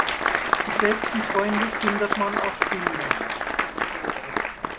Die besten Freunde findet man auf Tinder?